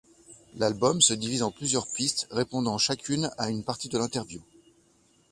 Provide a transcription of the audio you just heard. L'album se divise en plusieurs pistes, répondant chacune à une partie de l'interview.